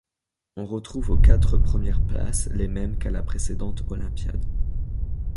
On retrouve aux quatre premières places les mêmes qu'à la précédente olympiade.